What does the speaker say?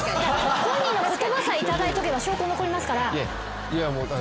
本人の言葉さえ頂いとけば証拠残りますから。